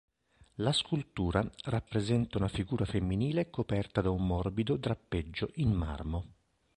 La scultura rappresenta una figura femminile coperta da un morbido drappeggio in marmo.